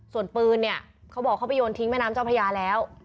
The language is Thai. ส่วนปืนเนี่ยเขาบอกเขาไปโยนทิ้งแม่น้ำเจ้าพระยาแล้ว